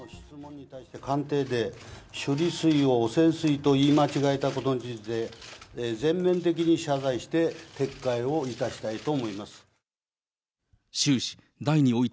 官邸で処理水を汚染水と言い間違えたことについて、全面的に謝罪して撤回をいたしたいと思います。